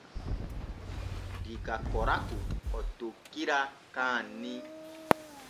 Diga Koraku o tokkira Kaanni.